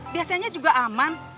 biasanya juga aman